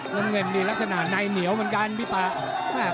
น้ำเงินนี่ลักษณะในเหนียวเหมือนกันพี่ป่า